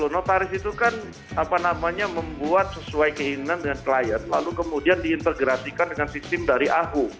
notaris itu kan apa namanya membuat sesuai keinginan dengan klien lalu kemudian diintegrasikan dengan sistem dari ahu